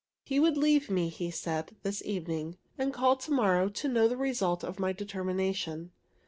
He would leave me, he said, this evening, and call to morrow to know the result of my determination.